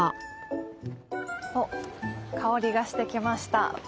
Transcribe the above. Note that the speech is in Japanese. おっ香りがしてきました。